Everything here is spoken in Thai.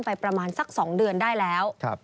ประมาณสัก๒เดือนได้แล้ว